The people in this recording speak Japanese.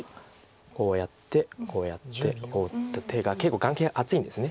こうやってこうやってこう打った手が結構眼形厚いんです。